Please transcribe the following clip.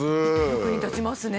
役に立ちますね。